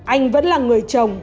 anh vẫn là người chồng